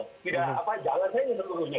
jalan aja ini seluruhnya